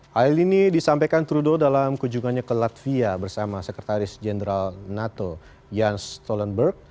hal ini disampaikan trudeau dalam kunjungannya ke latvia bersama sekretaris jenderal nato yans tolenburg